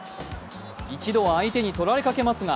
一度は相手にとられかけますが